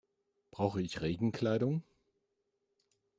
Brauche ich Regenkleidung?